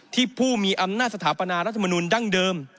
ผู้มีอำนาจสถาปนารัฐมนุลดั้งเดิม